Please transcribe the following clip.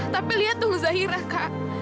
tapi liat tuh lu zahira kak